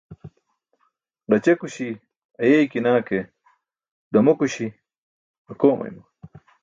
Gaćekuśi ayeykinaa ke, ḍamokuśi akoomayma.